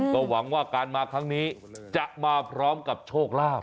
ก็หวังว่าการมาครั้งนี้จะมาพร้อมกับโชคลาภ